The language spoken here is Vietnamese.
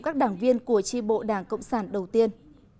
các đảng viên của tri bộ đảng cộng sản đầu tiên